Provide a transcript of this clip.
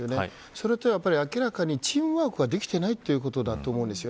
それと、明らかにチームワークができていないということだと思います。